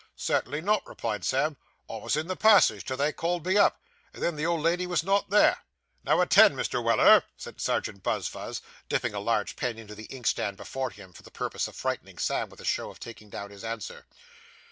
Certainly not,' replied Sam; 'I was in the passage till they called me up, and then the old lady was not there.' 'Now, attend, Mr. Weller,' said Serjeant Buzfuz, dipping a large pen into the inkstand before him, for the purpose of frightening Sam with a show of taking down his answer.